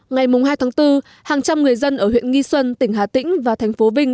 ngày hai tháng bốn hàng trăm người dân ở huyện nghi xuân tỉnh hà tĩnh và thành phố vinh